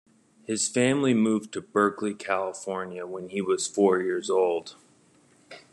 His family moved to Berkeley, California when he was four years old.